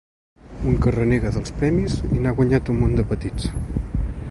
Un que renega dels premis i n'ha guanyat un munt de petits.